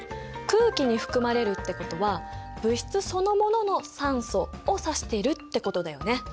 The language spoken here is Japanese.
空気に含まれるってことは物質そのものの酸素を指しているってことだよね。